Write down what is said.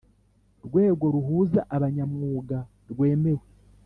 Rwego ruhuza abanyamwuga rwemewe